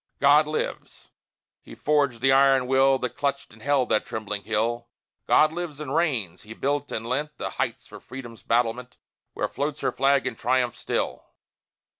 God lives! He forged the iron will, That clutched and held that trembling hill! God lives and reigns! He built and lent The heights for Freedom's battlement, Where floats her flag in triumph still!